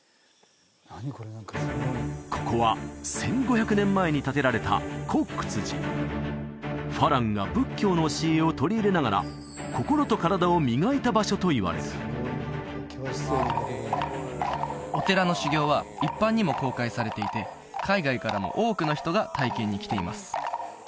ここは１５００年前に建てられた花郎が仏教の教えを取り入れながら心と体を磨いた場所といわれるお寺の修行は一般にも公開されていて海外からも多くの人が体験に来ています